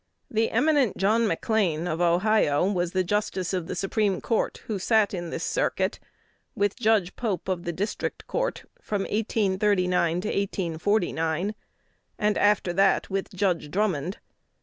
The eminent John McLean of Ohio was the justice of the Supreme Court who sat in this circuit, with Judge Pope of the District Court, from 1839 to 1849, and after that with Judge Drummond.